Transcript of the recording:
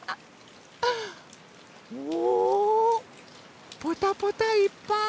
おポタポタいっぱい。